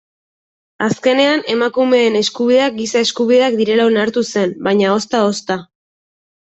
Azkenean emakumeen eskubideak giza eskubideak direla onartu zen, baina ozta-ozta.